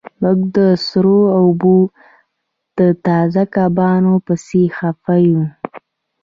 موږ د سړو اوبو د تازه کبانو پسې خفه یو